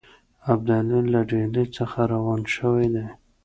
ابدالي له ډهلي څخه روان شوی دی.